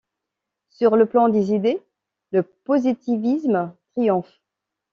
Sur le plan des idées, le positivisme triomphe.